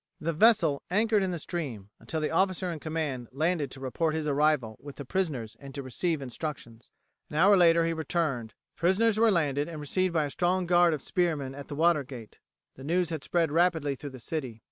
The vessel anchored in the stream until the officer in command landed to report his arrival with the prisoners and to receive instructions. An hour later he returned, the prisoners were landed and received by a strong guard of spearmen at the water gate. The news had spread rapidly through the city.